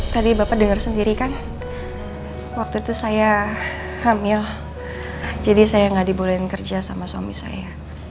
tadi bapak dengar sendiri kan waktu itu saya hamil jadi saya nggak dibolehin kerja sama suami saya